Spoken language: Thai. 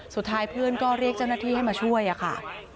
สุดท้ายเพื่อนก็เรียกเจ้าหน้าที่ให้มาช่วยค่ะ